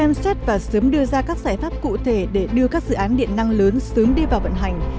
xem xét và sớm đưa ra các giải pháp cụ thể để đưa các dự án điện năng lớn sớm đi vào vận hành